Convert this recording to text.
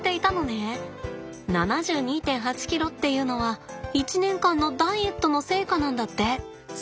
７２．８ｋｇっていうのは１年間のダイエットの成果なんだって。